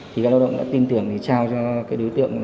thì các lao động đã tin tưởng thì trao cho đối tượng